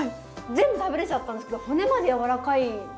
全部食べれちゃったんですけど骨までやわらかいですかね？